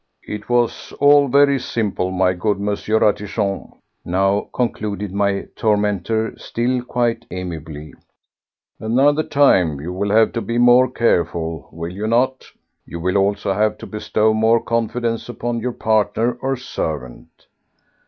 "It was all very simple, my good M. Ratichon," now concluded my tormentor still quite amiably. "Another time you will have to be more careful, will you not? You will also have to bestow more confidence upon your partner or servant.